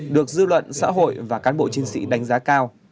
được dư luận xã hội và cán bộ chiến sĩ đánh giá cao